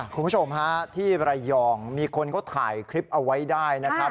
คุณผู้ชมฮะที่ระยองมีคนเขาถ่ายคลิปเอาไว้ได้นะครับ